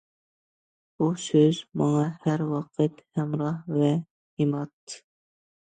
بۇ سۆز ماڭا ھەر ۋاقىت ھەمراھ ۋە ھىمات.